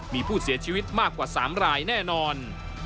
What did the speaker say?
มีผู้เสียชีวิตมากกว่า๓รายแน่นอน